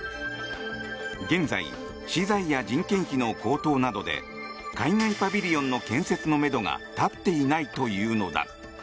現在、資材や人件費の高騰などで海外パビリオンの建設のめどが立っていないというのだ。